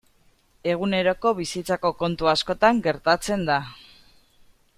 Eguneroko bizitzako kontu askotan gertatzen da.